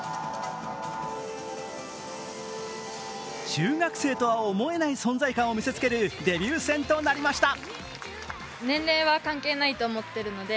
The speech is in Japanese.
中学生とは思えない存在感を見せつけるデビュー戦となりました。